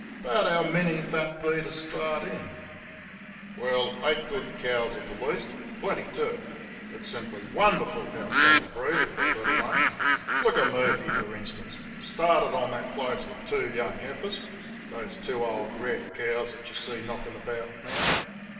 "'Bout how many'd that be t' start 'n?" "Well, EIGHT good cows at the least plenty, too. It's simply WONDERFUL how cattle breed if they're let alone. Look at Murphy, for instance. Started on that place with two young heifers those two old red cows that you see knocking about now.